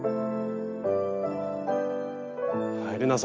はい玲奈さん。